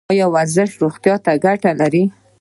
ایا ورزش روغتیا ته ګټه لري؟